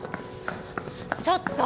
ちょっと！